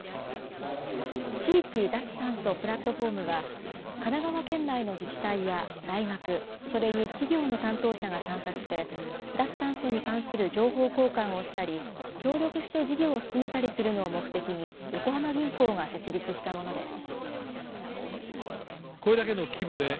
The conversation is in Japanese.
地域脱炭素プラットフォームは、神奈川県内の自治体や大学、それに企業の担当者が参加して、脱炭素に関する情報交換をしたり、協力して事業を進めたりするのを目的に、横浜銀行が設立したものです。